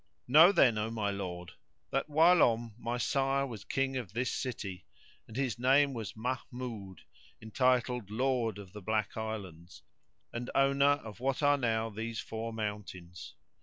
Know then, O my lord, that whilome my sire was King of this city, and his name was Mahmud, entitled Lord of the Black Islands, and owner of what are now these four mountains.